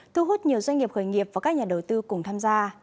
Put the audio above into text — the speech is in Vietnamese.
thu hút nhiều doanh nghiệp khởi nghiệp và các nhà đầu tư cùng tham gia